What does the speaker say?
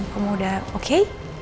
kamu udah oke